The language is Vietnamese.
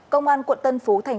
công an quận tân sinh